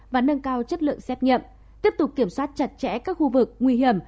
và nâng cao chất lượng xét nghiệm tiếp tục kiểm soát chặt chẽ các khu vực nguy hiểm